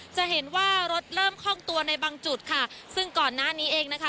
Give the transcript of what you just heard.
จะเห็นว่ารถเริ่มคล่องตัวในบางจุดค่ะซึ่งก่อนหน้านี้เองนะคะ